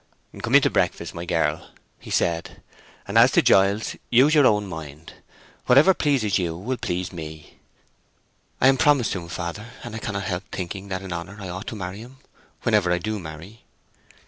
"Come in to breakfast, my girl," he said. "And as to Giles, use your own mind. Whatever pleases you will please me." "I am promised to him, father; and I cannot help thinking that in honor I ought to marry him, whenever I do marry."